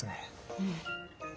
うん。